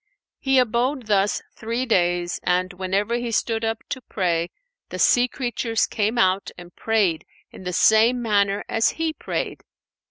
He abode thus three days and whenever he stood up to pray, the sea creatures came out and prayed in the same manner as he prayed.